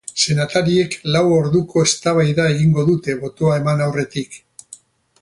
Senatariek lau orduko eztabaida egingo dute, botoa eman aurretik.